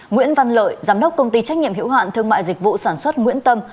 nguyễn văn lợi giám đốc công ty trách nhiệm hiểu hạn thương mại dịch vụ sản xuất nguyễn tâm